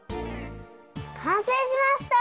かんせいしました！